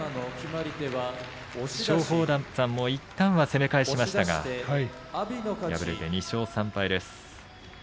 松鳳山もいったんは攻め返しましたが敗れて２勝３敗です。